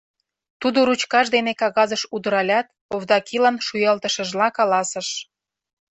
Тудо ручкаж дене кагазыш удыралят, Овдакилан шуялтышыжла каласыш: